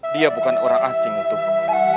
dia bukan orang asing untukku